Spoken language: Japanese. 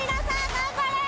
頑張れ！